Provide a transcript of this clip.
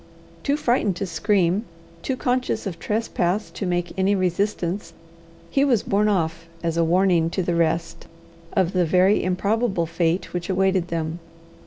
Too frightened to scream, too conscious of trespass to make any resistance, he was borne off as a warning to the rest of the very improbable fate which awaited them.